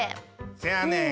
せやねん。